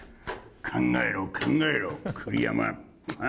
考えろ、考えろ、栗山。